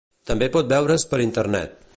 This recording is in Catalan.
També pot veure's per Internet.